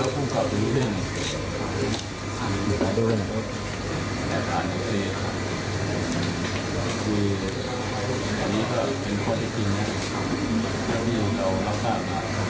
คุยอันนี้ก็เป็นข้อที่จริงนะที่เรารับภาพมา